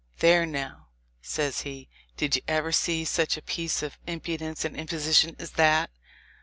"There now," says he, "did you ever see such a piece of impudence and imposition as that?"